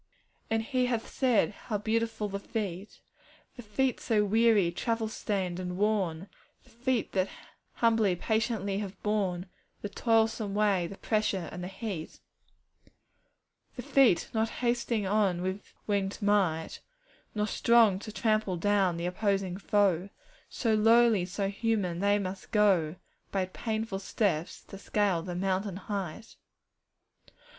'And He hath said, "How beautiful the feet!" The "feet" so weary, travel stained, and worn The "feet" that humbly, patiently have borne The toilsome way, the pressure, and the heat. 'The "feet," not hasting on with wingèd might, Nor strong to trample down the opposing foe; So lowly, and so human, they must go By painful steps to scale the mountain height.